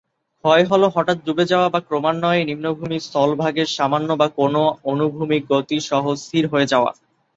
ক্ষয় হ'ল হঠাৎ ডুবে যাওয়া বা ক্রমান্বয়ে নিম্নভূমি স্থলভাগের সামান্য বা কোনো অনুভূমিক গতি সহ স্থির হয়ে যাওয়া।